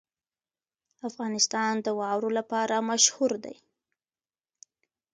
افغانستان د واوره لپاره مشهور دی.